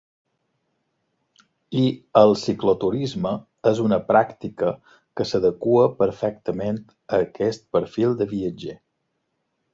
I el cicloturisme és una pràctica que s'adequa perfectament a aquest perfil de viatger.